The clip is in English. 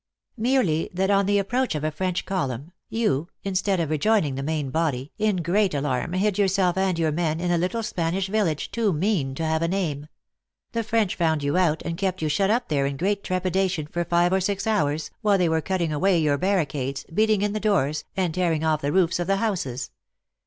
" Merely that on the approach of a French column, yon, instead of rejoining the main body, in great alarm hid yourself and your men in a little Spanish village too mean to have a name. The French found you out, and kept you shut up there in great trepida tion for five or six hours, while they were cutting away your barricades, beating in the doors, and tear ing off the roofs of the houses.